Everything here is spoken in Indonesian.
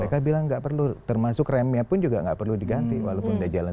mereka bilang nggak perlu termasuk remnya pun juga nggak perlu diganti walaupun udah jalan